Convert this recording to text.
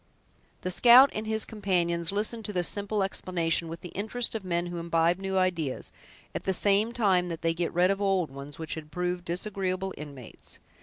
The scout and his companions listened to this simple explanation with the interest of men who imbibe new ideas, at the same time that they get rid of old ones, which had proved disagreeable inmates.